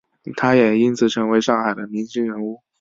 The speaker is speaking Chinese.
他也因此成为上海的明星人物。